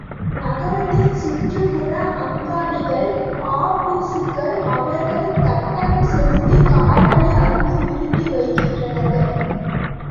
நகரத்தின் சுற்றுப்புற அங்காடிகள், ஆபீசுகள் அவர்கள் கட்டணம் செலுத்திக் கார்களை அங்கு நிறுத்தி வைக்கின்றனர்.